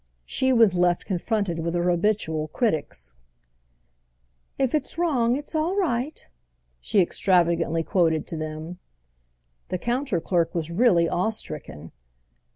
She was left confronted with her habitual critics. "'If it's wrong it's all right!'" she extravagantly quoted to them. The counter clerk was really awe stricken.